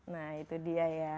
nah itu dia ya